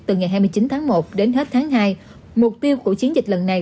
từ ngày hai mươi chín tháng một đến hết tháng hai mục tiêu của chiến dịch lần này